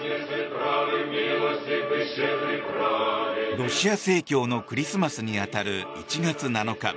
ロシア正教のクリスマスに当たる１月７日